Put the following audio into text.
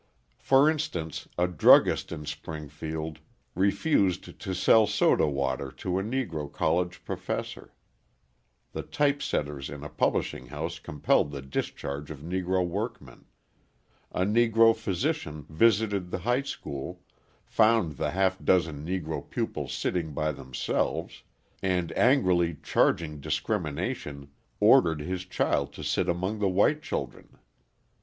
For instance, a druggist in Springfield refused to sell soda water to a Negro college professor, the typesetters in a publishing house compelled the discharge of Negro workmen, a Negro physician visited the high school, found the half dozen Negro pupils sitting by themselves and, angrily charging discrimination, ordered his child to sit among the white children.